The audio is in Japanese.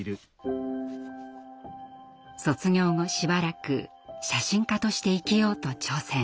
卒業後しばらく写真家として生きようと挑戦。